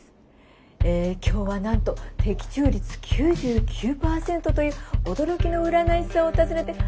えぇ今日はなんと的中率９９％という驚きの占い師さんを訪ねて。